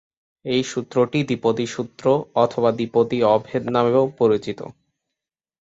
এই সূত্রটি দ্বিপদী সূত্র অথবা দ্বিপদী অভেদ নামেও পরিচিত।